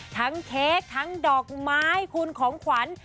เค้กทั้งดอกไม้คุณของขวัญ